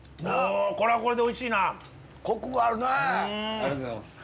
ありがとうございます。